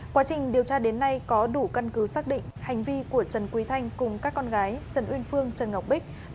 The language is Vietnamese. quá trình điều tra đến nay có đủ căn cứ xác định hành vi của trần quý thanh cùng các con gái trần uyên phương trần ngọc bích